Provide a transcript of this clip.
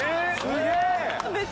すげえ！